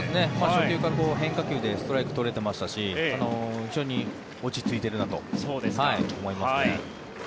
初球から変化球でストライクを取れていましたし非常に落ち着いているなと思いますね。